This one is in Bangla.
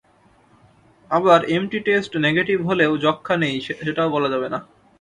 আবার এমটি টেস্ট নেগেটিভ হলেও যক্ষ্মা নেই, সেটাও বলা যাবে না।